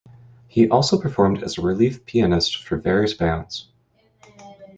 He also performed as a relief pianist for various bands.